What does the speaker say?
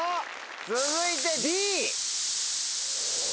続いてＤ。